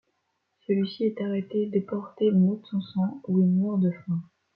Celui-ci est arrêté, déporté à Mauthausen où il meurt de faim.